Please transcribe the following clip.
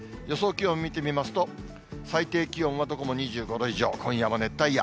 気温を見てみますと、最低気温はどこも２５度以上、今夜も熱帯夜。